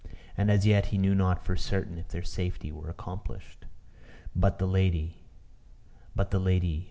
And as yet he knew not for certain if their safety were accomplished. But the lady But the lady